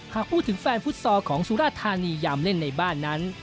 หากพูดถึงแฟนฟุตซอลของสุราธานียามเล่นในบ้านนั้น